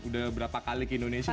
udah berapa kali ke indonesia